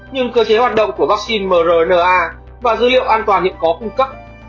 nhưng cơ chế hoạt động của vắc xin mrna và dữ liệu an toàn hiện có phung cấp